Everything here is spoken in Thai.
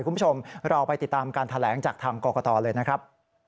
คุณผู้ชมเราไปติดตามการแถลงจากทางกรกตเลยนะครับ